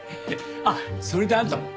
あっそれであんたも？